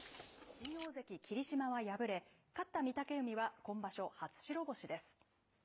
新大関・霧島は敗れ、勝った御嶽海は今場所初白星です。